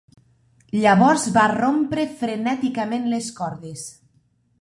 "Llavors va rompre frenèticament les cordes."